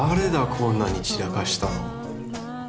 こんなに散らかしたの。